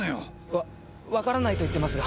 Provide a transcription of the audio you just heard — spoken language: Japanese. わわからないと言ってますが。